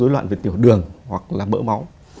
loạn việc tiểu đường hoặc là bỡ máu